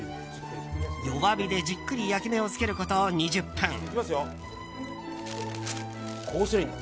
弱火でじっくり焼き目をつけること２０分。